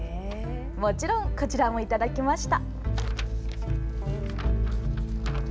もちろんこちらも頂きました。